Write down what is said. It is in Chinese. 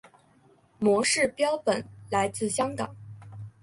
模式标本来自香港。